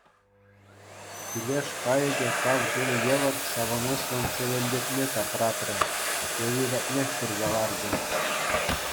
Пилеш кайӑкӗ тав тунӑ евӗр савӑнӑҫлӑн чӗвӗлтетме тапратрӗ, йӑви патнех пырса ларчӗ.